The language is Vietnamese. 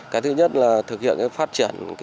cái thứ nhất là thực hiện phát triển